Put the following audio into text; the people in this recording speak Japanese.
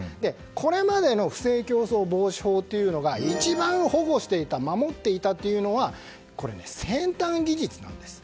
これまでの不正競争防止法というのが一番保護していた守っていたというのは先端技術なんです。